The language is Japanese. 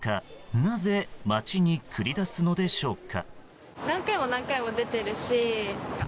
なぜ街に繰り出すのでしょうか。